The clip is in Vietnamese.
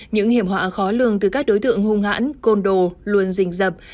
những hiểm họa khó lường từ các đối tượng hung hãn côn đồ luôn rình rập